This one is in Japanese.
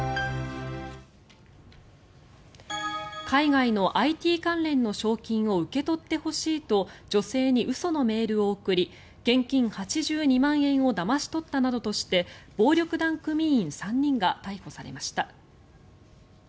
海外のＩＴ関連の賞金を受け取ってほしいと女性に嘘のメールを送り現金８２万円をだまし取ったなどとして暴力団組員３人が逮捕されました。